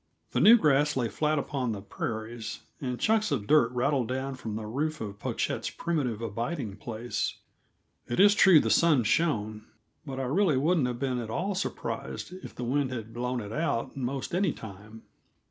The new grass lay flat upon the prairies, and chunks of dirt rattled down from the roof of Pochette's primitive abiding place. It is true the sun shone, but I really wouldn't have been at all surprised if the wind had blown it out, 'most any time.